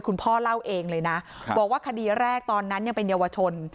พ่อเล่าเองเลยนะบอกว่าคดีแรกตอนนั้นยังเป็นเยาวชน